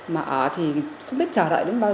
mà ở thì không biết chờ đợi đúng không